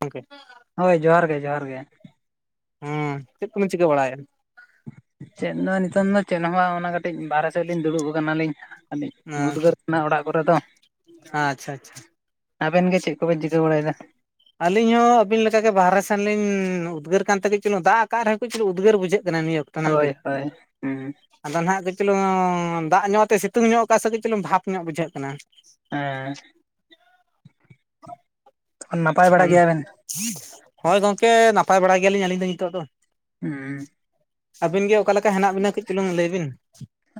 ᱜᱚᱝᱠᱮ ᱦᱳᱭ ᱡᱚᱦᱟᱨ ᱜᱮ ᱡᱚᱦᱟᱨ ᱜᱮ᱾ ᱦᱮᱸ ᱪᱮᱫ ᱠᱚᱵᱤᱱ ᱪᱤᱠᱟᱹ ᱵᱟᱲᱟᱭᱮᱜᱼᱟ? ᱪᱮᱜ ᱫᱚ ᱱᱤᱛᱚᱝ ᱫᱚ ᱪᱮᱫ ᱦᱚᱸ ᱵᱟᱝ ᱚᱱᱟ ᱠᱟᱹᱴᱤᱡ ᱵᱟᱨᱦᱮ ᱥᱮᱫ ᱞᱤᱧ ᱫᱩᱲᱩᱵ ᱠᱟᱱᱟ ᱞᱤᱧ᱾ ᱟᱹᱞᱤᱧ ᱩᱫᱽᱜᱟᱹᱨ ᱠᱟᱱᱟ ᱚᱲᱟᱜ ᱠᱚᱨᱮ ᱫᱚ ᱟᱪᱪᱷᱟ ᱟᱪᱪᱷᱟ᱾ ᱟᱵᱮᱱ ᱜᱮ ᱪᱮᱜ ᱠᱚ ᱵᱮᱱ ᱪᱤᱠᱟᱹ ᱵᱟᱲᱟᱭᱫᱟ? ᱟᱹᱞᱤᱧ ᱦᱚᱸ ᱟᱹᱵᱤᱱ ᱞᱮᱠᱟᱜᱮ ᱵᱟᱨᱦᱮ ᱥᱮᱱᱞᱤᱧ ᱩᱫᱽᱜᱟᱹᱨ ᱠᱟᱱᱛᱮ ᱠᱟᱹᱡ ᱪᱩᱞᱩᱝ ᱫᱟᱜ ᱟᱠᱟᱜ ᱨᱮᱦᱚᱸ ᱠᱟᱹᱡ ᱪᱩᱞᱩᱝ ᱩᱫᱽᱜᱟᱹᱨ ᱵᱩᱡᱷᱟᱹᱜ ᱠᱟᱱᱟ ᱱᱤᱭᱟᱹ ᱠᱚ ᱦᱳᱭ ᱦᱳᱭ ᱦᱮᱸ᱾ ᱟᱫᱚ ᱱᱟᱦᱟᱜ ᱠᱟ. ᱡ ᱪᱩᱞᱩᱝ ᱫᱟᱜ ᱧᱚᱜ ᱛᱮ ᱥᱤᱛᱩᱝ ᱧᱚᱜ ᱟᱠᱟᱫ ᱥᱮ ᱠᱟᱹᱡ ᱪᱩᱞᱩᱝ ᱵᱷᱟᱯ ᱧᱚᱜ ᱵᱩᱡᱷᱟᱹᱜ ᱠᱟᱱᱟ᱾ ᱦᱮᱸ᱾ ᱱᱟᱯᱟᱭ ᱵᱟᱲᱟ ᱜᱮᱭᱟᱵᱮᱱ? ᱦᱳᱭ ᱜᱚᱝᱠᱮ ᱱᱟᱯᱟᱭ ᱵᱟᱲᱟ ᱜᱮᱭᱟᱞᱤᱧ ᱟᱹᱞᱤᱧ ᱫᱚ ᱱᱤᱛᱳᱜ ᱫᱚ᱾ ᱦᱩᱸ᱾ ᱟᱹᱵᱤᱱ ᱜᱮ ᱚᱠᱟ ᱞᱮᱠᱟ ᱦᱮᱱᱟᱜ ᱵᱤᱱᱟ ᱠᱟᱹᱡ ᱪᱩᱞᱩᱝ ᱞᱟᱹᱭ ᱵᱤᱱ?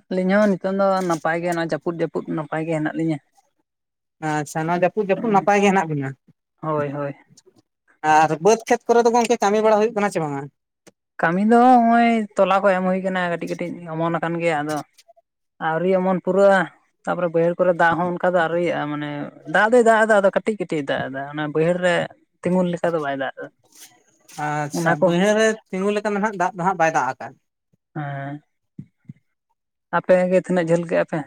ᱟᱹᱞᱤᱧ ᱦᱚᱸ ᱱᱤᱛᱚᱝ ᱫᱚ ᱱᱟᱯᱟᱭ ᱜᱮ ᱱᱚᱣᱟ ᱡᱟᱹᱯᱩᱫ ᱡᱟᱹᱯᱩᱫ ᱱᱟᱯᱟᱭ ᱜᱮ ᱦᱮᱱᱟᱜ ᱞᱤᱧᱟᱹ᱾ ᱟᱪᱪᱷᱟ ᱱᱚᱣᱟ ᱡᱟᱹᱯᱩᱫ ᱡᱟᱹᱯᱩᱫ ᱱᱟᱯᱟᱭ ᱜᱮ ᱦᱮᱱᱟᱜ ᱵᱤᱱᱟ᱾ ᱦᱳᱭ ᱦᱳᱭ ᱟᱨ ᱵᱟᱹᱫᱽ ᱠᱷᱮᱛ ᱠᱚᱨᱮ ᱫᱚ ᱜᱚᱝᱠᱮ ᱠᱟᱹᱢᱤ ᱵᱟᱲᱟ ᱦᱩᱭᱩᱜ ᱠᱟᱱᱟ ᱪᱮ ᱵᱟᱝᱟ? ᱠᱟᱹᱢᱤ ᱫᱚ ᱦᱚᱜ-ᱚᱭ ᱛᱚᱞᱟ ᱠᱚ ᱮᱢ ᱦᱩᱭ ᱟᱠᱟᱱᱟ ᱠᱟᱹᱴᱤᱡ ᱠᱟᱹᱴᱤᱡ ᱚᱢᱚᱱ ᱟᱠᱟᱱ ᱜᱮᱭᱟ, ᱟᱫᱚ ᱟᱹᱣᱨᱤ ᱚᱢᱚᱱ ᱯᱩᱨᱟᱹᱜᱼᱟ, ᱛᱟᱯᱚᱨᱮ ᱵᱟᱹᱭᱦᱟᱹᱲ ᱠᱚᱨᱮ ᱫᱟᱜ ᱦᱚᱸ ᱚᱱᱠᱟ ᱫᱚ ᱟᱹᱣᱨᱤᱭᱼᱟ, ᱢᱟᱱᱮ ᱫᱟᱜ ᱫᱚᱭ ᱫᱟᱜ ᱮᱫᱟ ᱟᱫᱚ ᱠᱟᱴᱤᱡ ᱠᱟᱹᱴᱤᱡ ᱠᱟᱹᱴᱤᱡ ᱮ ᱫᱟᱜ ᱮᱫᱟ᱾ ᱚᱱᱟ ᱵᱟᱹᱭᱦᱟᱹᱲ ᱨᱮ ᱛᱤᱸᱜᱩᱱ ᱞᱮᱠᱟ ᱫᱚ ᱵᱟᱭ ᱫᱟᱜ ᱮᱫᱟ᱾ ᱟᱪᱪᱷᱟ ᱚᱱᱟ ᱠᱚ ᱵᱟᱹᱭᱦᱟᱹᱲ ᱨᱮ ᱛᱤᱸᱜᱩ ᱞᱮᱠᱟ ᱫᱚ ᱦᱟᱸᱜ ᱫᱟᱜ ᱫᱚ ᱦᱟᱸᱜ ᱵᱟᱭ ᱫᱟᱜ ᱟᱠᱟᱫᱟ ᱦᱮᱸ ᱟᱯᱮ ᱜᱮ ᱛᱤᱱᱟᱹᱜ ᱡᱷᱟᱹᱞ ᱠᱮᱜᱼᱟ ᱯᱮ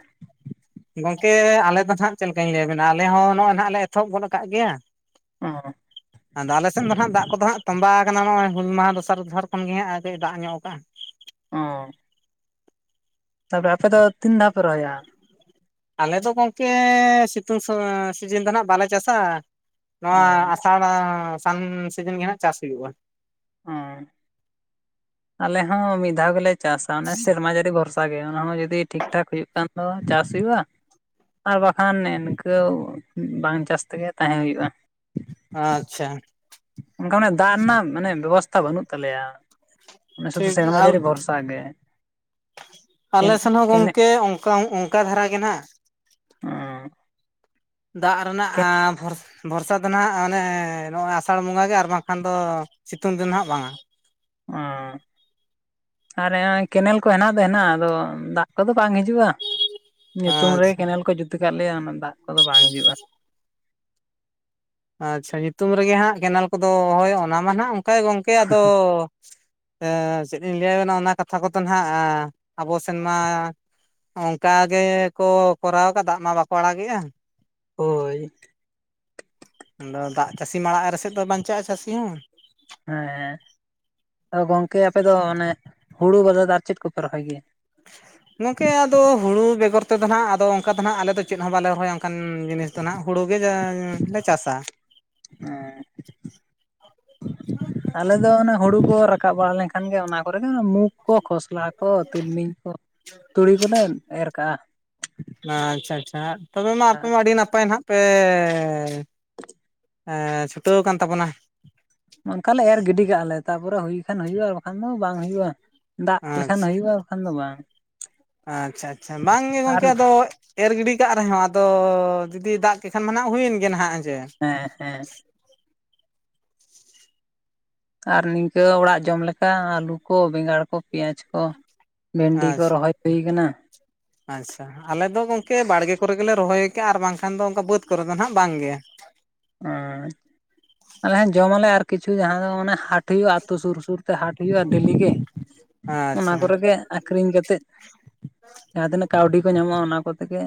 ᱜᱚᱝᱠᱮ ᱟᱞᱮ ᱫᱚ ᱦᱟᱸᱜ ᱪᱮᱫ ᱞᱮᱠᱟᱧ ᱞᱟᱹᱭᱟᱵᱮᱱᱟ ᱟᱞᱮ ᱦᱚᱸ ᱱᱚᱜᱼᱚᱭ ᱱᱟᱜ ᱞᱮ ᱮᱛᱚᱦᱚᱵ ᱜᱚᱫ ᱟᱠᱟᱫ ᱜᱮᱭᱟ᱾ ᱚ ᱟᱫᱚ ᱟᱞᱮ ᱥᱮᱫ ᱫᱚ ᱦᱟᱸᱜ ᱫᱟᱜ ᱠᱚᱫᱚ ᱦᱟᱸᱜ ᱛᱚᱸᱵᱟ ᱠᱟᱱᱟ ᱱᱚᱜᱼᱚᱭ ᱦᱩᱞ ᱢᱟᱦᱟ ᱫᱚᱥᱟᱨ ᱛᱮᱥᱟᱨ ᱠᱷᱚᱱ ᱜᱮ ᱦᱟᱸᱜ ᱫᱟᱜ ᱧᱚᱜ ᱟᱠᱟᱜᱼᱟ᱾ ᱚ ᱛᱟᱯᱚᱨᱮ ᱟᱯᱮ ᱫᱚ ᱛᱤᱱ ᱫᱷᱟᱣ ᱯᱮ ᱨᱚᱦᱚᱭᱟ? ᱟᱞᱮ ᱫᱚ ᱜᱚᱝᱠᱮ ᱥᱤᱛᱩᱝ ᱥᱤᱡᱤᱱ ᱫᱚ ᱱᱟᱜ ᱵᱟᱞᱮ ᱪᱟᱥᱟ᱾ ᱚ ᱱᱚᱣᱟ ᱟᱥᱟᱲ ᱥᱟᱱ ᱥᱤᱡᱤᱱ ᱜᱮ ᱦᱟᱸᱜ ᱪᱟᱥ ᱦᱩᱭᱩᱜᱼᱟ᱾ ᱚ ᱟᱞᱮ ᱦᱚᱸ ᱢᱤᱫ ᱫᱷᱟᱣ ᱜᱮᱞᱮ ᱪᱟᱥᱟ ᱚᱱᱮ ᱥᱮᱨᱢᱟ ᱡᱟᱹᱲᱤ ᱵᱷᱚᱨ ᱥᱟ ᱜᱮ ᱚᱱᱟ ᱦᱚᱸ ᱡᱩᱫᱤ ᱴᱷᱤᱠ ᱴᱷᱟᱠ ᱦᱩᱭᱩᱜ ᱠᱷᱟᱱ ᱫᱚ ᱪᱟᱥ ᱦᱩᱭᱩᱜᱼᱟ ᱟᱨ ᱵᱟᱠᱷᱟᱱ ᱱᱮ ᱱᱤᱝᱠᱟᱹᱣ ᱵᱟᱝ ᱪᱟᱥ ᱛᱮᱜᱮ ᱛᱟᱦᱮᱸ ᱦᱩᱭᱩᱜᱼᱟ᱾ ᱟᱪᱪᱷᱟ ᱚᱱᱠᱟ ᱢᱟᱱᱮ ᱫᱟᱜ ᱨᱮᱱᱟᱜ ᱢᱟᱱᱮ ᱵᱮᱵᱚᱥᱛᱷᱟ ᱵᱟᱹᱱᱩᱜ ᱛᱟᱞᱮᱭᱟ᱾ ᱚᱱᱟ ᱥᱩᱫᱷᱩ ᱴᱷᱤᱠ ᱥᱮᱨᱢᱟ ᱟᱨ ᱡᱟᱹᱨᱤ ᱵᱷᱚᱨᱥᱟ ᱜᱮ᱾ ᱠᱮᱱ ᱟᱞᱮ ᱥᱮᱱ ᱦᱚᱸ ᱠᱮᱱᱮᱜ ᱜᱚᱝᱠᱮ ᱚᱝᱠᱟ ᱚᱝᱠᱟ ᱫᱷᱟᱨᱟ ᱜᱮ ᱱᱟᱜ [unintelligible] ᱫᱟᱜ ᱨᱮᱱᱟᱜ [inaudible] ᱵᱷᱚᱨᱥᱟ ᱫᱚ ᱱᱟᱜ ᱚᱱᱮ ᱱᱚᱣᱟ ᱟᱥᱟᱲ ᱵᱚᱸᱜᱟ ᱜᱮ ᱟᱨ ᱵᱟᱝᱠᱷᱟᱱ ᱫᱚ ᱥᱤᱛᱩᱝ ᱫᱤᱱ ᱦᱟᱸᱜ ᱵᱟᱝ ᱟ ᱟ ᱟᱨᱮ [unintelligible] ᱠᱮᱱᱮᱞ ᱠᱚ ᱦᱮᱱᱟᱜ ᱫᱚ ᱦᱮᱱᱟᱜᱼᱟ ᱟᱫᱚ ᱫᱟᱜ ᱠᱚᱫᱚ ᱵᱟᱝ ᱦᱤᱡᱩᱜᱼᱟ ᱧᱩᱛᱩᱢ ᱨᱮ ᱟᱪᱪᱷᱟ ᱠᱮᱱᱮᱞ ᱠᱚ ᱡᱩᱛ ᱠᱟᱫ ᱞᱮᱭᱟ ᱚᱱᱟ ᱫᱟᱜ ᱠᱚᱫᱚ ᱵᱟᱝ ᱦᱤᱡᱩᱜᱼᱟ ᱟᱪᱪᱷᱟ ᱧᱩᱛᱩᱢ ᱨᱮᱜᱮ ᱦᱟᱸᱜ ᱠᱮᱱᱮᱞ ᱠᱚᱫᱚ ᱦᱳᱭ ᱚᱱᱟ ᱢᱟ ᱱᱟᱸᱜ ᱚᱱᱠᱟ ᱜᱚᱝᱠᱮ ᱟᱫᱚ [unintelligible] ᱪᱮᱫ ᱤᱧ ᱞᱟᱹᱭ [inaudible] ᱠᱟᱛᱷᱟ ᱠᱚᱫᱚ ᱱᱟᱦᱟᱸᱜ ᱟᱵᱚ ᱥᱮᱫ ᱢᱟ ᱚᱱᱠᱟ ᱜᱮ ᱠᱚ ᱠᱚᱨᱟᱣ ᱠᱟᱫᱟ ᱚᱱᱟ ᱵᱟᱠᱚ ᱟᱲᱟᱜᱮᱜᱼᱟ ᱦᱳᱭ ᱟᱫᱚ ᱫᱟᱜ ᱪᱟᱹᱥᱤ ᱢᱟᱲᱟᱜ ᱟᱨ ᱨᱮ ᱥᱮᱫ ᱫᱚ ᱵᱟᱧᱪᱟᱜᱼᱟ ᱪᱟᱹᱥᱤ ᱦᱚᱸ᱾ ᱦᱮᱸ ᱟᱫᱚ ᱜᱚᱝᱠᱮ ᱟᱯᱮ ᱫᱚ ᱚᱱᱮ ᱦᱩᱲᱩ ᱵᱟᱫᱮ ᱫᱚ ᱟᱨ ᱪᱮᱫ ᱠᱚᱯᱮ ᱨᱚᱦᱚᱭ ᱜᱮᱭᱟ [inaudible] ᱜᱚᱝᱠᱮ ᱟᱫᱚ ᱦᱩᱲᱩ ᱵᱮᱜᱚᱨ ᱛᱮᱫᱚ [inaudible] ᱟᱫᱚ ᱚᱱᱠᱟ ᱫᱚ ᱱᱟᱦᱟᱸᱜ ᱟᱞᱮᱫᱚ ᱪᱮᱫ ᱦᱚᱸ ᱵᱟᱞᱮ ᱨᱚᱦᱚᱭ ᱟ ᱚᱱᱠᱟᱱ ᱡᱤᱱᱤᱥ [unintelligible] ᱦᱩᱲᱩ ᱜᱮ [inaudible] ᱞᱮ ᱪᱟᱥ ᱟ ᱦᱮᱸ ᱟᱞᱮ ᱫᱚ ᱚᱱᱮ ᱦᱩᱲᱩ ᱠᱚ ᱨᱟᱠᱟᱵ ᱵᱟᱲᱟ ᱞᱮᱱ ᱠᱷᱟᱱ ᱜᱮ ᱚᱱᱟ ᱠᱚᱨᱮ ᱜᱮ ᱢᱩᱠ ᱠᱚ ᱠᱷᱚᱥᱞᱟ ᱠᱚ ᱛᱤᱞᱢᱤᱧ ᱠᱚ ᱛᱩᱲᱤ ᱠᱚᱞᱮ ᱮᱨ ᱠᱟᱜᱼᱟ ᱟᱪᱪᱷᱟ ᱟᱪᱪᱷᱟ ᱛᱚᱵᱮ ᱢᱟ ᱟᱯᱮ ᱢᱟ ᱟᱹᱰᱤ ᱱᱟᱯᱟᱭ ᱱᱟᱦᱟᱸᱜ ᱯᱮ [unintelligible] ᱪᱷᱩᱴᱟᱹᱣ ᱟᱠᱟᱱ ᱛᱟᱵᱚᱱᱟ ᱚᱱᱠᱟ ᱞᱮ ᱮᱨ ᱜᱤᱰᱤ ᱠᱟᱜᱼ ᱞᱮ ᱛᱟᱨ ᱯᱚᱨᱮ ᱦᱩᱭ ᱠᱷᱟᱱ ᱦᱩᱭᱩᱜᱼᱟ ᱟᱨ ᱵᱟᱠᱷᱟᱱ ᱫᱚ ᱵᱟᱝ ᱦᱩᱭᱩᱜᱼᱟ ᱫᱟᱜ ᱟᱪᱪᱷᱟ ᱞᱮᱠᱷᱟᱱ ᱦᱩᱭᱩᱜᱼᱟ ᱟᱨ ᱵᱟᱠᱷᱟᱱ ᱫᱚ ᱵᱟᱝ ᱟᱪᱪᱷᱟ ᱟᱪᱪᱷᱟ ᱵᱟᱝ ᱜᱮ ᱟᱨ ᱜᱚᱝᱠᱮ ᱟᱫᱚ ᱮᱨ ᱜᱤᱰᱤ ᱠᱟᱜ ᱨᱮᱦᱚᱸ ᱟᱫᱚ ᱡᱩᱫᱤ ᱫᱟᱜ ᱠᱮ ᱠᱷᱟᱱ ᱢᱟᱱᱟᱜ ᱦᱩᱭ ᱮᱱ ᱜᱮ ᱱᱟᱦᱟᱸᱜ ᱦᱮᱪᱮ ᱦᱮᱸ ᱦᱮᱸ ᱟᱨ ᱱᱤᱝᱠᱟᱹ ᱚᱲᱟᱜ ᱡᱚᱢ ᱞᱮᱠᱟ ᱟᱹᱞᱩ ᱠᱚ ᱵᱮᱸᱜᱟᱲ ᱠᱚ ᱯᱮᱸᱭᱟᱡᱽ ᱠᱚ ᱵᱷᱮᱱᱰᱤ ᱠᱚ ᱦᱮᱸᱪᱮ ᱟᱪᱪᱷᱟ ᱨᱚᱦᱚᱭ ᱦᱩᱭ ᱠᱟᱱᱟ ᱟᱪᱪᱷᱟ ᱟᱞᱮ ᱫᱚ ᱜᱚᱝᱠᱮ ᱵᱟᱲᱜᱮ ᱠᱚᱨᱮ ᱜᱮᱞᱮ ᱨᱚᱦᱚᱭ ᱠᱟᱜᱼᱟ ᱟᱨ ᱵᱟᱝ ᱠᱷᱟᱱ ᱫᱚ ᱚᱱᱠᱟ ᱵᱟᱹᱫᱽ ᱠᱚᱨᱮ ᱫᱚ ᱱᱟᱦᱟᱸᱜ ᱵᱟᱝ ᱜᱮ ᱚ ᱟᱞᱮ ᱦᱮᱸ ᱡᱚᱢ ᱟᱞᱮ ᱟᱨ ᱠᱤᱪᱷᱩ ᱡᱟᱦᱟᱸ ᱫᱚ ᱢᱟᱱᱮ ᱦᱟᱴ [unintelligible] ᱟᱹᱛᱩ ᱥᱩᱨ ᱥᱩᱨ ᱛᱮ ᱦᱟᱴ ᱦᱩᱭᱩᱜᱼᱟ ᱰᱮᱞᱤ ᱜᱮ ᱚᱱᱟ ᱟᱪᱪᱷᱟ ᱠᱚᱨᱮ ᱜᱮ ᱟᱠᱷᱨᱤᱧ ᱠᱟᱛᱮᱫ ᱡᱟᱦᱟᱸ ᱛᱤᱱᱟᱹᱜ ᱠᱟᱹᱣᱰᱤ ᱠᱚ ᱧᱟᱢᱚᱜᱼᱟ ᱚᱱᱟ ᱠᱚᱛᱮ ᱜᱮ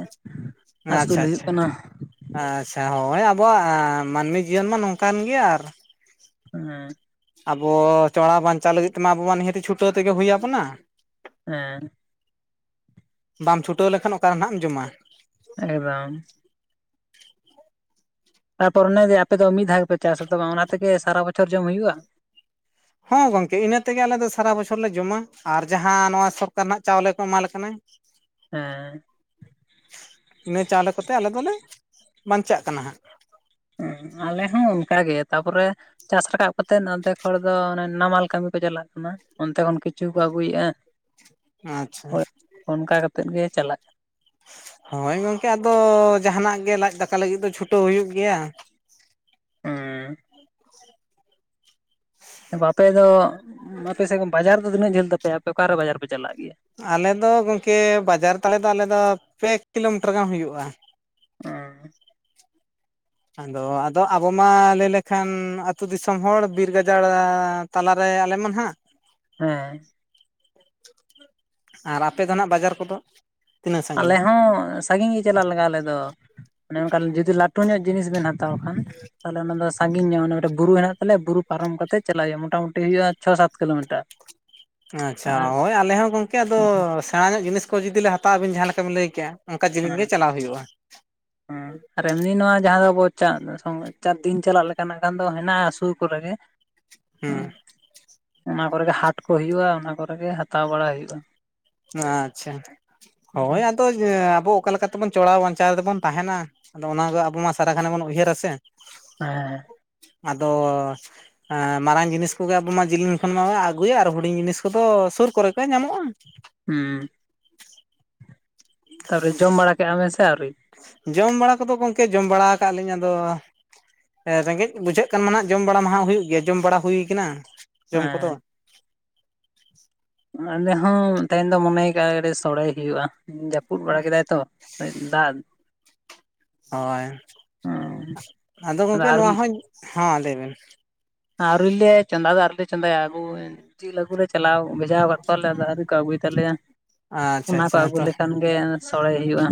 ᱟᱹᱥᱩᱞ ᱟᱪᱪᱷᱟ ᱦᱩᱭᱩᱜ ᱟᱪᱪᱷᱟ ᱠᱟᱱᱟ ᱟᱪᱪᱷᱟ ᱦᱳᱭ ᱟᱵᱚᱣᱟᱜ [unintelligible] ᱢᱟᱹᱱᱢᱤ ᱡᱤᱭᱚᱱ ᱢᱟ ᱱᱚᱝ ᱠᱟᱱ ᱜᱮᱭᱟ ᱟᱨ ᱦᱮᱸ ᱟᱵᱚ ᱪᱚᱲᱟ ᱵᱟᱧᱪᱟᱣ ᱞᱟᱹᱜᱤᱫ ᱛᱮᱢᱟ ᱟᱵᱚ ᱢᱟ ᱱᱤᱦᱟᱹᱛᱤ ᱪᱷᱩᱴᱟᱹᱣ ᱛᱮᱜᱮ ᱦᱩᱭ ᱟᱵᱚᱱᱟ ᱮᱸ ᱵᱟᱢ ᱪᱷᱩᱴᱟᱹᱣ ᱞᱮᱠᱷᱟᱱ ᱚᱠᱟ ᱨᱮ ᱦᱟᱜ ᱮᱢ ᱡᱚᱢᱟ ᱮᱠ ᱫᱚᱢ ᱛᱟᱨ ᱯᱚᱨᱮ ᱚᱱᱮᱡ ᱟᱯᱮ ᱫᱚ ᱢᱤᱫ ᱫᱷᱟᱣ ᱜᱮ ᱯᱮ ᱪᱟᱥᱟ ᱛᱚ ᱵᱟᱝ ᱚᱱᱟ ᱛᱮᱜᱮ ᱥᱟᱨᱟ ᱵᱚᱪᱷᱚᱨ ᱡᱚᱢ ᱦᱩᱭᱩᱜᱼᱟ ᱦᱮᱸ ᱜᱚᱝᱠᱮ ᱤᱱᱟᱹ ᱛᱮᱜᱮ ᱟᱞᱮ ᱫᱚ ᱥᱟᱨᱟ ᱵᱚᱪᱷᱚᱨ ᱞᱮ ᱡᱚᱢᱟ ᱟᱨ ᱡᱟᱦᱟᱸ ᱱᱚᱣᱟ ᱥᱚᱨᱠᱟᱨ ᱨᱮᱱᱟᱜ ᱪᱟᱣᱞᱮ ᱠᱚ ᱮᱢᱟᱞᱮ ᱠᱟᱱᱟᱭ ᱦᱮᱸ ᱤᱱᱟᱹ ᱪᱟᱣᱞᱮ ᱠᱚᱛᱮ ᱟᱞᱮ ᱫᱚᱞᱮ ᱵᱟᱧᱪᱟᱜ ᱠᱟᱱᱟ ᱦᱟᱸᱜ ᱟᱞᱮ ᱦᱚᱸ ᱚᱱᱠᱟ ᱜᱮ ᱛᱟᱨ ᱯᱚᱨᱮ ᱪᱟᱥ ᱨᱟᱠᱟᱵ ᱠᱟᱛᱮᱜ ᱟᱫᱮᱠ ᱦᱚᱲ ᱫᱚ ᱱᱟᱢᱟᱞ ᱠᱟᱹᱢᱤ ᱠᱚ ᱪᱟᱞᱟᱜ ᱠᱟᱱᱟ ᱚᱱᱛᱮ ᱠᱷᱚᱱ ᱠᱤᱪᱷᱩ ᱠᱚ ᱟᱹᱜᱩᱭᱮᱜᱼᱟ ᱟᱪᱪᱷᱟ ᱚᱱᱠᱟ ᱠᱟᱛᱮᱫ ᱜᱮ ᱪᱟᱞᱟᱜ ᱦᱳᱭ ᱜᱚᱝᱠᱮ ᱟᱫᱚ ᱡᱟᱦᱟ ᱱᱟᱜ ᱜᱮ ᱞᱟᱡ ᱫᱟᱠᱟ ᱞᱟᱹᱜᱤᱫ ᱫᱚ ᱪᱷᱩᱴᱟᱹᱣ ᱦᱩᱭᱩᱜ ᱜᱮᱭᱟ ᱚᱸ ᱵᱟᱯᱮ ᱫᱚ ᱟᱯᱮ ᱥᱮᱫ ᱠᱷᱚᱱ ᱵᱟᱡᱟᱨ ᱫᱚ ᱛᱤᱱᱟᱹᱜ ᱡᱷᱟᱹᱞ ᱛᱟᱯᱮᱭᱟ ᱟᱯᱮ ᱚᱠᱟ ᱨᱮ ᱵᱟᱡᱟᱨ ᱯᱮ ᱪᱟᱞᱟᱜ ᱜᱮᱭᱟ ᱟᱞᱮ ᱫᱚ ᱜᱚᱝᱠᱮ ᱵᱟᱡᱟᱨ ᱛᱟᱞᱮ ᱫᱚ ᱟᱞᱮ ᱫᱚ ᱯᱮ ᱠᱤᱞᱳ ᱢᱤᱴᱟᱨ ᱜᱟᱱ ᱦᱩᱭᱩᱜᱼᱟ ᱩ ᱟᱫᱚ ᱟᱫᱚ ᱟᱵᱚ ᱢᱟ ᱞᱟᱹᱭ ᱞᱮᱠᱷᱟᱱ ᱟᱹᱛᱩ ᱫᱤᱥᱚᱢ ᱦᱚᱲ ᱵᱤᱨ ᱜᱟᱡᱟᱲ ᱛᱟᱞᱟ ᱨᱮ ᱟᱞᱮ ᱢᱟ ᱱᱟᱦᱟᱜ ᱦᱮᱸ ᱟᱨ ᱟᱯᱮ ᱫᱚ ᱱᱟᱜ ᱵᱟᱡᱟᱨ ᱠᱚᱫᱚ ᱛᱤᱱᱟᱹᱜ ᱟᱞᱮ ᱥᱟᱺᱜᱤᱧ ᱦᱚᱸ ᱥᱟᱺᱜᱤᱧ ᱜᱮ ᱪᱟᱞᱟᱜ ᱞᱟᱜᱟᱜ-ᱟ ᱟᱞᱮ ᱫᱚ ᱚᱱᱮ ᱚᱱᱠᱟᱱ ᱡᱩᱫᱤ ᱞᱟᱹᱴᱩ ᱧᱚᱜ ᱡᱤᱱᱤᱥ ᱵᱮᱱ ᱦᱟᱛᱟᱣ ᱠᱷᱟᱱ ᱛᱟᱦᱚᱞᱮ ᱚᱱᱟ ᱫᱚ ᱥᱟᱺᱜᱤᱧ ᱧᱚᱜ ᱚᱱᱟ ᱢᱤᱫᱴᱟᱝ ᱵᱩᱨᱩ ᱦᱮᱱᱟᱜ ᱛᱟᱞᱮᱭᱟ ᱵᱩᱨᱩ ᱯᱟᱨᱚᱢ ᱠᱟᱛᱮ ᱪᱟᱞᱟᱜ ᱦᱩᱭᱩᱜᱼᱟ ᱢᱚᱴᱟᱢᱩᱴᱤ ᱦᱩᱭᱩᱜᱼᱟ ᱪᱷᱚ ᱥᱟᱛ ᱠᱤᱞᱳᱢᱤᱴᱟᱨ ᱟᱪᱪᱷᱟ ᱟᱨ ᱦᱳᱭ ᱟᱞᱮ ᱦᱚᱸ ᱜᱚᱝᱠᱮ ᱟᱫᱚ ᱦᱮᱸ ᱥᱮᱸᱬᱟ ᱧᱚᱜ ᱡᱤᱱᱤᱥ ᱠᱚ ᱡᱩᱫᱤ ᱞᱮ ᱦᱟᱛᱟᱣᱟ ᱵᱤᱱ ᱡᱟᱦᱟᱸ‌ ᱞᱮᱠᱟ ᱵᱤᱱ ᱞᱟᱹᱭ ᱠᱮᱜᱼᱟ ᱚᱱᱠᱟ ᱡᱤᱞᱤᱧ ᱜᱮ ᱪᱟᱞᱟᱣ ᱦᱩᱭᱩᱜᱼᱟ ᱦᱩᱸ ᱟᱨ ᱮᱢᱱᱤ ᱱᱚᱣᱟ ᱡᱟᱦᱟᱸ ᱫᱚ ᱟᱵᱚ ᱪᱟ [inaudible] ᱪᱟᱨ ᱫᱤᱱ ᱪᱟᱞᱟᱜ ᱞᱮᱠᱟᱱᱟᱜ ᱜᱟᱱ ᱫᱚ ᱦᱮᱱᱟᱜᱼᱟ ᱥᱩᱨ ᱠᱚ ᱨᱮ ᱜᱮ ᱦᱩᱸ ᱚᱱᱟ ᱠᱚ ᱨᱮ ᱜᱮ ᱦᱟᱴ ᱠᱚ ᱦᱩᱭᱩᱜᱼᱟ ᱚᱱᱟ ᱠᱚ ᱨᱮ ᱜᱮ ᱦᱟᱛᱟᱣ ᱵᱟᱲᱟ ᱦᱩᱭᱩᱜᱼᱟ ᱟᱪᱪᱷᱟ ᱦᱳᱭ ᱟᱫᱚ ᱟᱵᱚ ᱚᱠᱟ ᱞᱮᱠᱟ ᱛᱮᱵᱚᱱ ᱪᱚᱲᱟᱣ ᱵᱟᱧᱪᱟᱣ ᱨᱮᱵᱚᱱ ᱛᱟᱦᱮᱱᱟ ᱟᱫᱚ ᱚᱱᱟ ᱜᱮ ᱟᱵᱚ ᱢᱟ ᱥᱟᱨᱟ ᱜᱷᱟᱱᱮ ᱵᱚᱱ ᱩᱭᱦᱟᱹᱨᱟ ᱥᱮ ᱦᱮᱸᱻ ᱟᱫᱚᱻ ᱢᱟᱨᱟᱝ ᱡᱤᱱᱤᱥ ᱠᱚᱜᱮ ᱟᱵᱚ ᱢᱟ ᱡᱮᱞᱮᱧ ᱠᱷᱚᱱ ᱢᱟ ᱟᱹᱜᱩᱭᱟ ᱟᱨ ᱦᱩᱰᱤᱧ ᱡᱤᱱᱤᱥ ᱠᱚᱫᱚ ᱥᱩᱨ ᱠᱚᱨᱮ ᱠᱚ ᱧᱟᱢᱚᱜᱼᱟ ᱦᱩᱸ ᱛᱟᱨᱯᱚᱨᱮ ᱡᱚᱢ ᱵᱟᱲᱟ ᱠᱮᱫᱼᱟ ᱵᱮᱱ ᱥᱮ ᱟᱣᱨᱤ ᱡᱚᱢ ᱵᱟᱲᱟ ᱠᱚᱫᱚ ᱜᱚᱢᱠᱮ ᱡᱚᱢ ᱵᱟᱲᱟ ᱟᱠᱟᱫ ᱞᱤᱧ ᱟᱫᱚ ᱨᱮᱸᱜᱮᱡ ᱵᱩᱡᱷᱟᱹᱜ ᱠᱷᱟᱱ ᱢᱟ ᱦᱟᱜ ᱡᱚᱢ ᱵᱟᱲᱟ ᱢᱟ ᱦᱩᱭᱩᱜ ᱜᱮᱭᱟ ᱡᱚᱢ ᱵᱟᱲᱟ ᱦᱩᱭ ᱠᱟᱱᱟ ᱡᱚᱢ ᱠᱚᱫᱚ ᱦᱮᱸ ᱟᱞᱮ ᱦᱚᱸ ᱛᱮᱦᱮᱱ ᱫᱚ ᱢᱚᱱᱮᱭ ᱠᱟᱜᱼᱟ ᱥᱚᱲᱮ ᱦᱩᱭᱩᱜᱼᱟ ᱡᱟᱯ ᱯᱩᱫ ᱵᱟᱲᱟ ᱠᱮᱫᱟᱭ ᱛᱚ ᱫᱟᱜ ᱦᱳᱭ ᱟᱫᱚ ᱜᱚᱢᱠᱮ ᱟᱨ ᱱᱚᱣᱟ ᱦᱚᱸᱧ ᱦᱚᱸ ᱞᱟᱹᱭᱵᱤᱱ ᱟᱣᱨᱤᱞᱮ ᱪᱚᱸᱫᱟ ᱫᱚ ᱟᱣᱨᱤᱞᱮ ᱪᱚᱫᱟᱭᱟ ᱟᱜᱩ ᱡᱤᱞ ᱟᱹᱜᱩ ᱞᱮ ᱪᱟᱞᱟᱣ ᱵᱷᱮᱡᱟ ᱠᱟᱜ ᱠᱚᱣᱟ ᱞᱮ ᱟᱣᱨᱤ ᱠᱚ ᱟᱹᱜᱩᱭ ᱛᱟᱞᱮᱭᱟ ᱟᱪᱪᱷᱟ ᱚᱱᱟᱠᱚ ᱟᱪᱪᱷᱟ ᱟᱹᱜᱩ ᱛᱚ ᱞᱮᱠᱷᱟᱱᱜᱮ ᱥᱚᱲᱮ ᱦᱩᱭᱩᱜᱼᱟ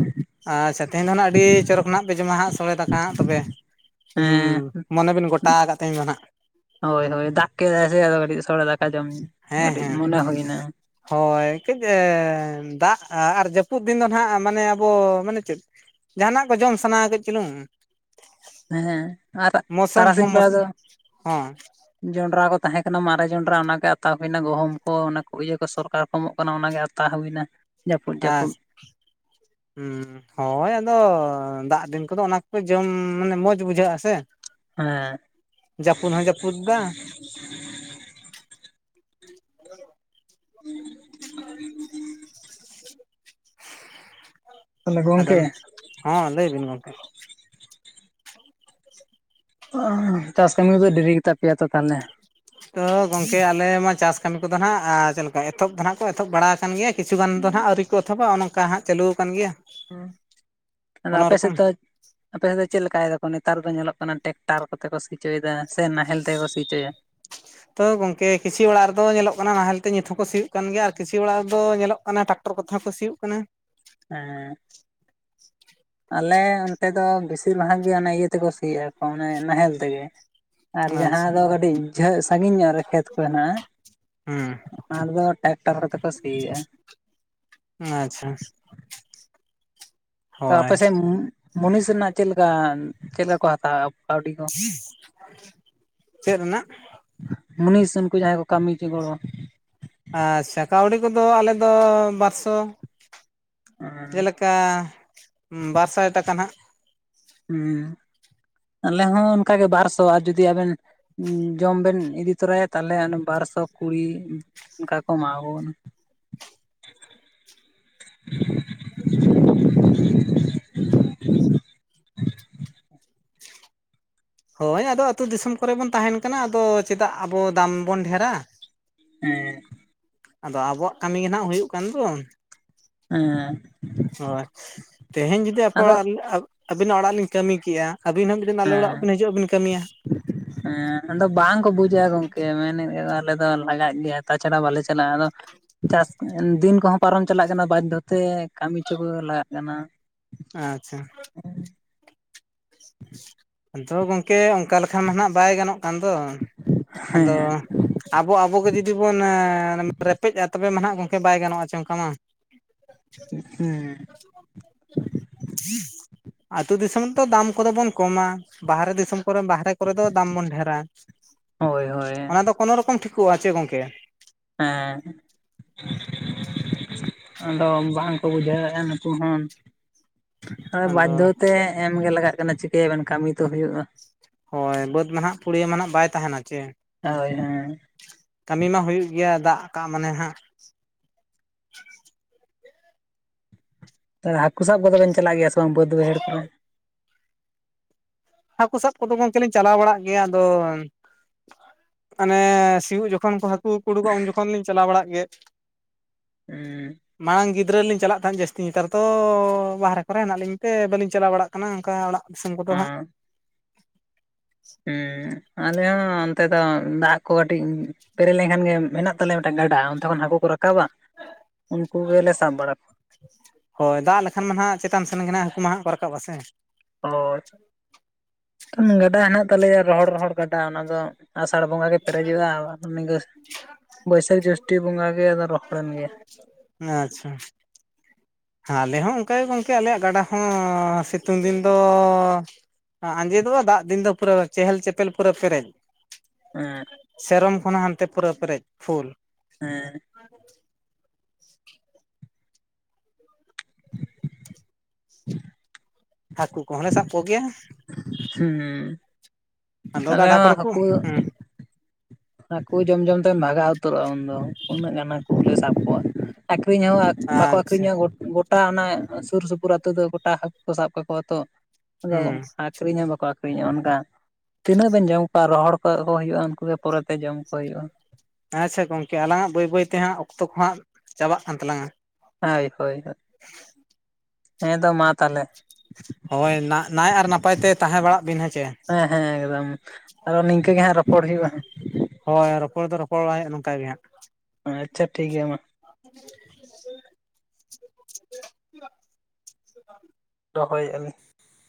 ᱟᱪᱪᱷᱟ ᱛᱮᱦᱮᱧ ᱫᱚ ᱦᱟᱸᱜ ᱟᱹᱰᱤ ᱪᱚᱨᱚᱠ ᱱᱟᱜ ᱯᱮ ᱡᱚᱢᱟ ᱦᱟᱸᱜ ᱥᱚᱲᱮ ᱫᱟᱠᱟ ᱦᱟᱸᱜ ᱛᱚᱵᱮ ᱦᱮᱸ ᱢᱚᱱᱮ ᱵᱤᱱ ᱜᱚᱴᱟ ᱟᱠᱟᱫ ᱛᱮᱦᱮᱧ ᱫᱚ ᱦᱟᱜ ᱦᱳᱭ ᱦᱳᱭ ᱫᱟᱜ ᱠᱮᱫᱟᱭ ᱥᱮ ᱟᱫᱚ ᱠᱟᱹᱴᱤᱡ ᱥᱚᱲᱮ ᱫᱟᱠᱟ ᱡᱚᱢ ᱦᱮᱸ ᱠᱟᱹᱴᱤᱡ ᱦᱮᱸ ᱢᱚᱱᱮ ᱦᱩᱭᱱᱟ ᱦᱳᱭ ᱠᱟᱹᱡ ᱫᱟᱜ ᱟᱨ ᱡᱟᱹᱯᱩᱫ ᱫᱤᱱ ᱫᱚ ᱱᱟᱦᱟᱜ ᱢᱟᱱᱮ ᱟᱵᱚ ᱢᱟᱱᱮ ᱪᱮᱫ ᱡᱟᱦᱟ ᱱᱟᱜ ᱠᱚ ᱡᱚᱢ ᱥᱟᱱᱟ ᱟ ᱠᱟᱹᱡ ᱪᱩᱞᱩᱝ ᱦᱮᱸ ᱟᱨ ᱢᱳᱥᱚᱢ ᱛᱟᱨᱟ ᱦᱚᱸ ᱥᱤᱧ ᱢᱚᱥ ᱵᱮᱲᱟ ᱫᱚ ᱦᱚᱸ ᱡᱚᱱᱰᱨᱟ ᱠᱚ ᱛᱟᱦᱮᱸ ᱠᱟᱱᱟ ᱢᱟᱨᱮ ᱡᱚᱱᱰᱨᱟ ᱚᱱᱟᱜᱮ ᱟᱛᱟ ᱦᱩᱭᱱᱟ ᱜᱩᱦᱩᱢ ᱠᱚ ᱚᱱᱟ ᱠᱚ ᱤᱭᱟᱹ ᱠᱚ ᱥᱚᱨᱠᱟᱨ ᱮᱢᱚᱜ ᱠᱟᱱᱟ ᱚᱱᱟᱜᱮ ᱟᱛᱟ ᱦᱩᱭᱱᱟ᱾ ᱡᱟᱹᱯᱩᱫ ᱦᱮᱸ [inaudible] ᱦᱩᱸ ᱦᱳᱭ ᱟᱫᱚ ᱫᱟᱜ ᱫᱤᱱ ᱠᱚᱫᱚ ᱚᱱᱟ ᱠᱚ ᱜᱮ ᱡᱚᱢ ᱢᱟᱱᱮ ᱢᱚᱡᱽ ᱵᱩᱡᱷᱟᱹᱜ-ᱟ ᱥᱮ ᱦᱮᱸ ᱡᱟᱹᱯᱩ ᱦᱚᱸ ᱡᱟᱹᱯᱩᱫ ᱫᱟ [inaudible] [inaudible] ᱛᱟᱦᱚᱞᱮ ᱟᱫᱚ ᱜᱚᱝᱠᱮ ᱦᱚᱸ ᱞᱟᱹᱭ ᱵᱤᱱ ᱜᱚᱢᱠᱮ ᱪᱟᱥ ᱠᱟᱹᱢᱤ ᱠᱚᱫᱚ ᱰᱮᱨᱤ ᱜᱮᱛᱟ ᱯᱮᱭᱟ ᱛᱚ ᱛᱟᱦᱚᱞᱮ ᱛᱚ ᱜᱚᱝᱠᱮ ᱟᱞᱮ ᱢᱟ ᱪᱟᱥ ᱠᱟᱹᱢᱤ ᱠᱚᱫᱚ ᱱᱟᱦᱟᱜ ᱪᱮᱫ ᱞᱮᱠᱟ ᱮᱛᱚᱦᱚᱵ ᱫᱚ ᱱᱟᱦᱟᱜ ᱠᱚ ᱮᱛᱚᱦᱚᱵ ᱵᱟᱲᱟ ᱟᱠᱟᱱ ᱜᱮᱭᱟ ᱠᱤᱪᱷᱩ ᱜᱟᱱ ᱫᱚ ᱱᱟᱦᱟᱜ ᱟᱹᱣᱨᱤ ᱠᱚ ᱮᱛᱚᱦᱚᱵᱟ ᱱᱚᱝᱠᱟ ᱦᱟᱸᱜ ᱪᱟᱹᱞᱩ ᱠᱟᱱ ᱜᱮᱭᱟ ᱦᱩᱸ ᱟᱫᱚ ᱚᱱᱟ ᱟᱯᱮ ᱥᱮᱫ ᱨᱚᱠᱚᱢ ᱫᱚ ᱟᱯᱮ ᱥᱮᱫ ᱫᱚ ᱪᱮᱫ ᱞᱮᱠᱟᱭ ᱫᱟᱠᱚ ᱱᱮᱛᱟᱨ ᱫᱚ ᱧᱮᱞᱚᱜ ᱠᱟᱱᱟ ᱴᱮᱠᱴᱟᱨ ᱠᱚᱛᱮ ᱠᱚ ᱥᱤᱪᱚᱭ ᱮᱫᱟ ᱥᱮ ᱱᱟᱦᱮᱞ ᱛᱮ ᱜᱮ ᱠᱚ ᱥᱤᱪᱚᱭᱟ ᱛᱚ ᱜᱚᱝᱠᱮ ᱠᱤᱪᱷᱤ ᱚᱲᱟᱜ ᱨᱮᱫᱚ ᱧᱮᱞᱚᱜ ᱠᱟᱱᱟ ᱱᱟᱦᱮᱞ ᱛᱮ ᱱᱤᱛ ᱦᱚᱸᱠᱚ ᱥᱤᱭᱳᱜ ᱠᱟᱱ ᱜᱮᱭᱟ ᱟᱨ ᱠᱤᱥᱤ ᱚᱲᱟᱜ ᱨᱮᱫᱚ ᱧᱮᱞᱚᱜ ᱠᱟᱱᱟ ᱴᱟᱠᱴᱟ ᱴᱚᱨ ᱠᱚᱛᱷᱮ ᱦᱚᱸ ᱠᱚ ᱥᱤᱭᱳᱜ ᱠᱟᱱᱟ᱾ ᱦᱮᱸ ᱟᱞᱮ ᱚᱱᱛᱮ ᱫᱚ ᱵᱤᱥᱤᱨ ᱵᱷᱟᱜᱽ ᱜᱮ ᱚᱱᱮ ᱤᱭᱟᱹ ᱛᱮᱠᱚ ᱥᱤᱭᱮᱫᱼᱟ ᱠᱚ ᱚᱱᱮ ᱱᱟᱦᱮᱞ ᱛᱮᱜᱮ᱾ ᱟᱨ ᱡᱟᱦᱟᱸ ᱟᱪᱪᱷᱟ ᱫᱚ ᱠᱟᱹᱴᱤᱡ ᱡᱚᱜ ᱥᱟᱺᱜᱤᱧ ᱧᱚᱜ ᱨᱮ ᱠᱷᱮᱛ ᱠᱚ ᱦᱮᱱᱟᱜᱼᱟ ᱦᱩᱸ ᱚᱱᱟ ᱫᱚ ᱴᱨᱟᱠᱴᱟᱨ ᱠᱚᱛᱮ ᱠᱚ ᱥᱤᱭᱤᱭᱟ᱾ ᱟᱪᱪᱷᱟ ᱛᱚ ᱦᱳᱭ ᱟᱯᱮᱥᱮᱫ ᱢᱩᱱᱤᱥ ᱨᱮᱱᱟᱜ ᱪᱮᱫᱠᱟ ᱪᱮᱫ ᱞᱮᱠᱟ ᱠᱚ ᱦᱟᱛᱟᱣ ᱪᱮᱫ ᱨᱮᱱᱟᱜ ᱢᱩᱱᱤᱥ ᱩᱱᱠᱩ ᱡᱟᱦᱟᱸᱭ ᱠᱚ ᱠᱟᱹᱢᱤ ᱦᱚᱪᱚ ᱜᱚᱲᱚ ᱟᱪᱪᱷᱟ ᱠᱟᱹᱣᱰᱤ ᱠᱚᱫᱚ ᱟᱞᱮ ᱫᱚ ᱵᱟᱨᱥᱚ [inaudible] ᱠᱟ ᱵᱟᱨ ᱥᱟᱭ ᱴᱟᱠᱟ ᱱᱟᱦᱟᱜ ᱦᱮᱸ ᱟᱞᱮ ᱦᱚᱸ ᱚᱱᱠᱟᱜᱮ ᱵᱟᱨ ᱥᱚ ᱟᱨ ᱡᱩᱫᱤ ᱟᱵᱮᱱ ᱡᱚᱢ ᱵᱮᱱ ᱤᱫᱤ ᱛᱚᱨᱟᱭᱟ ᱛᱟᱦᱚᱞᱮ ᱚᱱ ᱵᱟᱨ ᱥᱚ ᱠᱩᱲᱤ ᱚᱱᱠᱟ ᱠᱚ ᱮᱢᱟ ᱠᱚ ᱠᱟᱱᱟ᱾ [unintelligible] ᱦᱳᱭ ᱟᱫᱚ ᱟᱹᱛᱩ ᱫᱤᱥᱚᱢ ᱠᱚᱨᱮ ᱵᱚᱱ ᱛᱟᱦᱮᱱ ᱠᱟᱱᱟ ᱟᱫᱚ ᱪᱮᱫᱟᱜ ᱟᱵᱚ ᱫᱟᱢ ᱵᱚᱱ ᱰᱷᱮᱨᱟ ᱦᱮᱸ ᱟᱫᱚ ᱟᱵᱚᱣᱟᱜ ᱠᱟᱹᱢᱤ ᱜᱮ ᱱᱟᱦᱟᱜ ᱦᱩᱭᱩᱜ ᱠᱟᱱ ᱫᱚ ᱦᱮᱸ ᱦᱳᱭ ᱛᱮᱦᱮᱧ ᱡᱩᱫᱤ ᱟᱯᱮ ᱟᱫᱚ ᱚᱲᱟᱜ ᱟᱹᱵᱤᱱᱟᱜ ᱚᱲᱟᱜ ᱨᱮᱞᱤᱧ ᱠᱟᱹᱢᱤ ᱠᱮᱭᱟ ᱟᱹᱵᱤᱱ ᱦᱚᱸ ᱢᱤᱫᱤᱱ ᱟᱞᱮ ᱚᱲᱟᱜ ᱦᱮᱸ ᱵᱤᱱ ᱦᱤᱡᱩᱜᱼᱟ ᱵᱤᱱ ᱠᱟᱹᱢᱤᱭᱟ [inaudible] ᱦᱮᱸ ᱟᱫᱚ ᱵᱟᱝᱠᱚ ᱵᱩᱡᱟ ᱜᱚᱝᱠᱮ ᱢᱮᱱᱮᱫ ᱟᱞᱮ ᱫᱚ ᱞᱟᱜᱟᱜ ᱜᱮᱭᱟ ᱛᱟᱪᱷᱟᱲᱟ ᱵᱟᱞᱮ ᱪᱟᱞᱟᱜᱼᱟ ᱟᱫᱚ ᱪᱟᱥ ᱫᱤᱱ ᱠᱚᱦᱚᱸ ᱯᱟᱨᱚᱢ ᱪᱟᱞᱟᱜ ᱠᱟᱱᱟ ᱵᱟᱫᱽᱫᱷᱚ ᱛᱮ ᱠᱟᱹᱢᱤᱪᱚ ᱠᱚ ᱞᱟᱜᱟᱜ ᱠᱟᱱᱟ ᱟᱪᱪᱷᱟ ᱟᱫᱚ ᱜᱚᱝᱠᱮ ᱚᱱᱠᱟ ᱞᱮᱠᱟ ᱢᱟ ᱱᱟᱜ ᱵᱟᱭ ᱜᱟᱱᱚᱜ ᱠᱟᱱ ᱫᱚ ᱦᱮᱸ ᱟᱫᱚ ᱟᱵᱚ ᱟᱵᱚᱜᱮ ᱡᱩᱫᱤ ᱵᱚᱱ ᱨᱮᱯᱮᱡᱼᱟ ᱛᱚᱵᱮ ᱢᱟᱦᱟᱜ ᱜᱚᱢᱠᱮ ᱵᱟᱭ ᱜᱟᱱᱚᱜᱼᱟ ᱚᱱᱠᱟ ᱢᱟ᱾ ᱦᱮᱸ ᱟᱹᱛᱩ ᱫᱤᱥᱚᱢ ᱛᱚ ᱫᱟᱢ ᱠᱚᱫᱚ ᱵᱚᱱ ᱠᱚᱢᱟ ᱵᱟᱦᱨᱮ ᱫᱤᱥᱚᱢ ᱠᱚᱨᱮ ᱵᱟᱦᱨᱮ ᱥᱟᱭ ᱠᱚᱨᱮ ᱫᱚ ᱫᱟᱢ ᱵᱚᱱ ᱰᱷᱮᱨᱟ ᱦᱳᱭ ᱦᱳᱭ ᱚᱱᱟ ᱫᱚ ᱠᱳᱱᱳ ᱨᱚᱠᱚᱢ ᱴᱷᱤᱠᱚᱜᱼᱟ ᱪᱮ ᱜᱚᱝᱠᱮ ᱦᱮᱸ [inaudible] ᱟᱫᱚ ᱵᱟᱝᱠᱚ ᱵᱩᱡᱷᱟᱹᱣᱮᱫᱼᱟ ᱱᱩᱠᱩ ᱦᱚᱸ ᱦᱚᱭ ᱟᱫᱚ ᱵᱟᱫᱽᱫᱷᱚ ᱛᱮ ᱮᱢᱜᱮ ᱞᱟᱜᱟᱜ ᱠᱟᱱᱟ ᱪᱤᱠᱟᱹᱭᱟᱵᱮᱱ ᱠᱟᱹᱢᱤ ᱛᱚ ᱦᱩᱭᱩᱜᱼᱟ ᱾ ᱦᱳᱭ ᱵᱟᱹᱫᱽ ᱢᱟᱦᱜ ᱯᱩᱲᱭᱟᱹ ᱢᱟᱦᱜ ᱵᱟᱭ ᱛᱟᱦᱮᱱᱟ ᱪᱮ ᱦᱳᱭ ᱦᱮᱸ ᱠᱟᱹᱢᱤ ᱢᱟ ᱦᱩᱭᱩᱜ ᱜᱮᱭᱟ ᱫᱟᱜ ᱠᱟᱜ ᱢᱟᱱᱮ ᱦᱟᱸᱜ ᱛ ᱦᱟᱹᱠᱩ ᱥᱟᱵ ᱠᱚᱫᱚᱵᱮᱱ ᱪᱟᱞᱟᱜ ᱜᱮᱭᱟ ᱥᱮ ᱵᱟᱝ ᱵᱟᱹᱫ ᱵᱟᱹᱭᱦᱟᱹᱲ ᱠᱚᱨᱮ ᱦᱟᱹᱠᱩ ᱥᱟᱵ ᱠᱚᱫᱚ ᱜᱚᱝᱠᱮ ᱞᱤᱧ ᱪᱟᱞᱟᱣ ᱵᱟᱲᱟᱜ ᱜᱮᱭᱟ ᱟᱫᱚ ᱢᱟᱱᱮ ᱥᱤᱭᱳᱜ ᱡᱚᱠᱷᱚᱱ ᱠᱚ ᱦᱟᱹᱠᱩ ᱠᱩ ᱩᱰᱩᱠᱚᱜᱼᱟ ᱩᱱ ᱡᱚᱠᱷᱚᱱ ᱞᱤᱧ ᱪᱟᱞᱟᱣ ᱵᱟᱲᱟᱜ ᱜᱮ ᱦᱩᱸ ᱢᱟᱲᱟᱝ ᱜᱤᱫᱽᱨᱟᱹ ᱞᱤᱧ ᱪᱟᱞᱟᱜ ᱛᱟᱦᱮᱸᱫ ᱡᱟᱹᱥᱛᱤ ᱱᱮᱛᱟᱨ ᱛᱚ ᱵᱟᱦᱨᱮ ᱠᱚᱨᱮ ᱦᱮᱱᱟᱜ ᱞᱤᱧ ᱛᱮ ᱵᱟᱹᱞᱤᱧ ᱪᱟᱞᱟᱣ ᱵᱟᱲᱟᱜ ᱠᱟᱱᱟ ᱚᱱᱠᱟ ᱚᱲᱟᱜ ᱫᱤᱥᱚᱢ ᱠᱚᱫᱚ ᱦᱟᱸᱜ ᱦᱮᱸ ᱦᱩᱸ ᱟᱞᱮ ᱦᱚᱸ ᱚᱱᱛᱮ ᱫᱚ ᱫᱟᱜ ᱠᱚ ᱠᱟᱹᱴᱤᱡ ᱯᱮᱨᱮᱡ ᱞᱮᱱᱠᱷᱟᱱ ᱜᱮ ᱢᱮᱱᱟᱜ ᱛᱟᱞᱮᱭᱟ ᱢᱤᱫᱴᱮᱱ ᱜᱟᱰᱟ ᱚᱱᱛᱮ ᱠᱷᱚᱱ ᱦᱟᱹᱠᱩ ᱠᱚ ᱨᱟᱠᱟᱵᱟ ᱩᱱᱠᱩ ᱜᱮᱞᱮ ᱥᱟᱵ ᱵᱟᱲᱟ ᱠᱚᱣᱟ ᱦᱳᱭ ᱫᱟᱜ ᱞᱮᱠᱷᱟᱱ ᱢᱟ ᱱᱟᱦᱟᱜ ᱪᱮᱛᱟᱱ ᱥᱮᱱ ᱜᱮ ᱦᱟᱹᱠᱩ ᱢᱟ ᱦᱟᱸᱜ ᱠᱚ ᱨᱟᱠᱟᱵᱟ ᱥᱮ ᱦᱳᱭ ᱜᱟᱰᱟ ᱦᱮᱱᱟᱜ ᱛᱟᱞᱮᱭᱟ ᱨᱚᱦᱚᱲᱼ ᱨᱚᱦᱚᱲ ᱜᱟᱰᱟ ᱚᱱᱟ ᱫᱚ ᱟᱥᱟᱲ ᱵᱚᱸᱜᱟ ᱜᱮ ᱯᱮᱨᱮᱡᱚᱜᱼᱟ ᱱᱤᱝᱠᱟᱹ ᱵᱟᱹᱭᱥᱟᱹᱠᱷ ᱡᱳᱥᱴᱤ ᱵᱚᱸᱜᱟ ᱜᱮ ᱟᱫᱚ ᱨᱚᱦᱚᱲᱮᱱ ᱜᱮᱭᱟ ᱮ ᱟᱪᱪᱷᱟ ᱟᱞᱮ ᱦᱚᱸ ᱚᱱᱠᱟᱜᱮ ᱜᱚᱝᱠᱮ ᱟᱞᱮᱭᱟᱜ ᱜᱟᱰᱟ ᱦᱚᱸ ᱥᱤᱛᱩᱝ ᱫᱤᱱ ᱫᱚ ᱟᱸᱡᱮᱫᱚᱜᱼᱟ ᱵᱟᱝ ᱫᱟᱜ ᱫᱤᱱ ᱫᱚ ᱯᱩᱨᱟᱹ ᱪᱮᱦᱮᱞ ᱪᱮᱯᱮᱞ ᱯᱩᱨᱟ ᱯᱮᱨᱮᱡ [unintelligible] ᱥᱮᱨᱚᱢ ᱠᱷᱚᱱ ᱦᱚᱸ ᱦᱟᱱᱛᱮ ᱯᱩᱨᱟᱹ ᱯᱮᱨᱮᱡ ᱯᱷᱩᱞ ᱦᱮᱸ ᱦᱟᱹᱠᱩ ᱠᱚᱦᱚᱸ ᱞᱮ ᱥᱟᱵ ᱠᱚᱜᱮᱭᱟ ᱦᱩᱸ ᱟᱫᱚ ᱟᱞᱮ ᱜᱟᱰᱟ ᱦᱚᱸ ᱠᱚᱨᱮ ᱠᱚ ᱦᱟᱹᱠᱩ ᱦᱩᱸ ᱦᱟᱹᱠᱩ ᱡᱚᱢᱼᱡᱚᱢ ᱛᱮᱢ ᱵᱷᱟᱜᱟᱣ ᱩᱛᱟᱹᱨᱚᱜᱼᱟ ᱩᱱᱫᱚ ᱩᱱᱟᱹᱜ ᱜᱟᱱ ᱦᱟᱹᱠᱩ ᱞᱮ ᱥᱟᱵ ᱠᱚᱣᱟ ᱟᱠᱷᱨᱤᱧ ᱦᱚᱸ ᱵᱟᱠᱚ ᱟᱪᱪᱷᱟ ᱟᱹᱠᱷᱨᱤᱧᱟ ᱜᱚᱴᱟ ᱚᱱᱟ ᱥᱩᱨ ᱥᱩᱯᱩᱨ ᱟᱹᱛᱩ ᱫᱚ ᱜᱚᱴᱟ ᱦᱟᱹᱠᱩ ᱠᱚ ᱥᱟᱵ ᱠᱟᱠᱚᱣᱟ ᱛᱚ ᱟᱫᱚ ᱦᱩᱸ ᱟᱠᱷᱨᱤᱧ ᱦᱚᱸ ᱵᱟᱠᱚ ᱟᱹᱠᱷᱨᱤᱧᱚᱜᱼᱟ ᱛᱤᱱᱟᱹᱜ ᱵᱮᱱ ᱡᱚᱢ ᱠᱚᱣᱟ ᱨᱚᱦᱚᱲ ᱠᱚ ᱠᱚ ᱦᱩᱭᱩᱜᱼᱟ ᱩᱱᱠᱩ ᱫᱚ ᱯᱚᱨᱮᱛᱮ ᱡᱚᱢ ᱠᱚ ᱦᱩᱭᱩᱜᱼᱟ ᱟᱪᱪᱷᱟ ᱜᱚᱝᱠᱮ ᱟᱞᱟᱝᱟᱜ ᱵᱟᱹᱭᱼᱵᱟᱹᱭ ᱛᱮ ᱦᱟᱸᱜ ᱚᱠᱛᱚ ᱠᱚ ᱦᱟᱸᱜ ᱪᱟᱵᱟᱜ ᱠᱟᱱ ᱛᱟᱞᱟᱝᱟ ᱦᱳᱭ ᱦᱳᱭ ᱦᱳᱭ ᱦᱮᱸ ᱫᱚ ᱢᱟ ᱛᱟᱦᱚᱞᱮ ᱦᱳᱭ ᱱᱟ ᱱᱟᱭ ᱟᱨ ᱱᱟᱯᱟᱭ ᱛᱮ ᱛᱟᱦᱮᱸ ᱵᱟᱲᱟᱜ ᱵᱤᱱ ᱦᱮᱸᱪᱮ ᱦᱮᱸ ᱦᱮᱸ ᱮᱠᱫᱚᱢ ᱟᱨᱦᱚᱸ ᱱᱤᱝᱠᱟᱹ ᱜᱮ ᱦᱟᱸᱜ ᱨᱚᱯᱚᱲ ᱦᱩᱭᱩᱜᱼᱟ ᱦᱳᱭ ᱨᱚᱯᱚᱲ ᱫᱚ ᱨᱚᱯᱚᱲ [inaudible] ᱱᱚᱝᱠᱟ ᱜᱮ ᱦᱟᱸᱜ ᱟᱪᱪᱷᱟ ᱴᱷᱤᱠ ᱜᱮᱭᱟ ᱢᱟ [unintelligible] ᱨᱚᱦᱚᱭᱮᱫᱼᱟ ᱞᱤᱧ